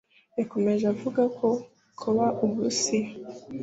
yakomeje avuga ko kuba Uburusiya